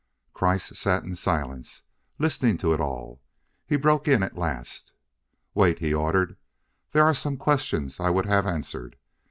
Kreiss sat in silence, listening to it all. He broke in at last. "Wait!" he ordered. "There are some questions I would have answered.